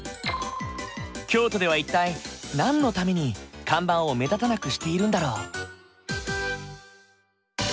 京都では一体何のために看板を目立たなくしているんだろう？